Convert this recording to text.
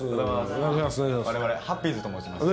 われわれハッピーズと申します。